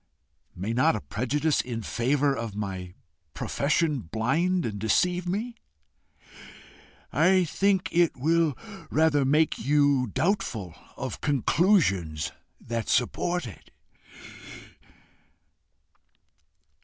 "May not a prejudice in favour of my profession blind and deceive me?" "I think it will rather make YOU doubtful of conclusions that support it."